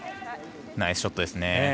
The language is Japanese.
ナイスショットですね。